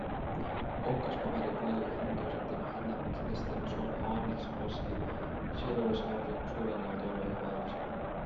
Okaspaberipuidu hind tõuseb tema hinnangul kindlasti tänu Soome Äänikoski tselluloosivabriku suurenevale toorainevajadusele.